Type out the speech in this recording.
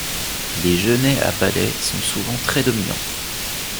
Les genêts à balais sont souvent très dominants.